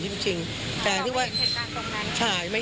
แต่ว่าเงียบวันนี้มี